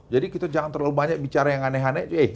jadi kita jangan terlalu banyak bicara yang aneh aneh